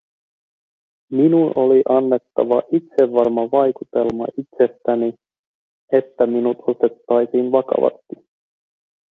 Minun oli annettava itsevarma vaikutelma itsestäni, että minut otettaisiin vakavasti.